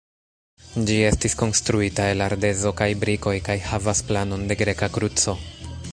Ĝi estis konstruita el ardezo kaj brikoj kaj havas planon de greka kruco.